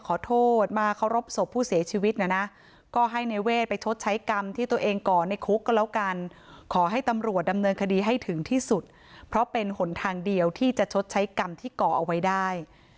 ขอโทษมาเคารพศพผู้เสียชีวิตนะนะก็ให้ในเวทไปชดใช้กรรมที่ตัวเองก่อในคุกก็แล้วกันขอให้ตำรวจดำเนินคดีให้ถึงที่สุดเพราะเป็นหนทางเดียวที่จะชดใช้กรรมที่ก่อเอาไว้ได้